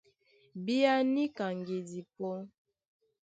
Bíá níka ŋgedi pɔ́!